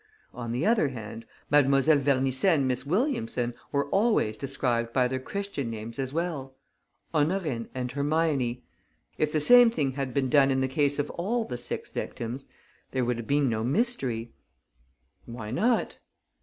On the other hand, Mlle. Vernisset and Miss Williamson were always described by their Christian names as well: Honorine and Hermione. If the same thing had been done in the case of all the six victims, there would have been no mystery." "Why not?"